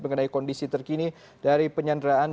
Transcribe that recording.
mengenai kondisi terkini dari penyanderaan